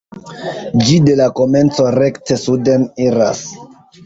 Ĝi de la komenco rekte suden iras.